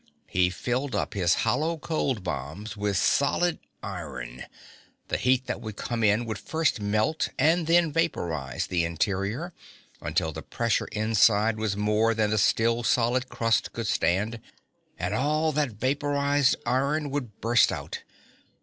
"He filled up his hollow cold bombs with solid iron. The heat that would come in would first melt and then vaporize the interior until the pressure inside was more than the still solid crust could stand. And all that vaporized iron would burst out.